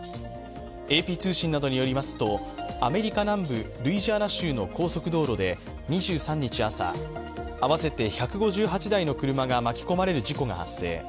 ＡＰ通信などによりますとアメリカ南部ルイジアナ州の高速道路で２３日朝合わせて１５８台の車が巻き込まれる事故が発生。